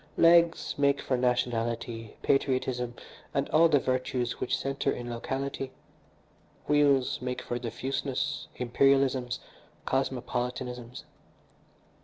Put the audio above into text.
Legs make for nationality, patriotism, and all the virtues which centre in locality. Wheels make for diffuseness, imperialisms, cosmopolitanisms.